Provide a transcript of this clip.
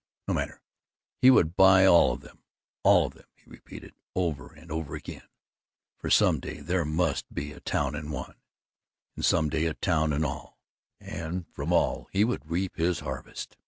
No matter he would buy all of them all of them, he repeated over and over again; for some day there must be a town in one, and some day a town in all, and from all he would reap his harvest.